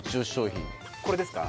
・これですか？